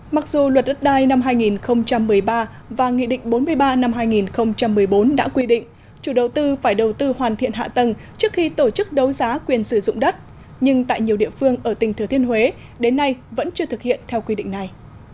mặc dù luật đất đai năm hai nghìn một mươi ba và nghị định bốn mươi ba năm hai nghìn một mươi bốn đã quy định chủ đầu tư phải đầu tư hoàn thiện hạ tầng trước khi tổ chức đấu giá quyền sử dụng đất nhưng tại nhiều địa phương ở tỉnh thừa thiên huế đến nay vẫn chưa thực hiện theo quy định này